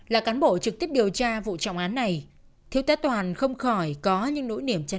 là cán bộ trực tiếp điều tra vụ trọng án này thiếu tá toàn không khỏi có những nỗi niềm chăn